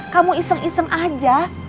kamu iseng iseng aja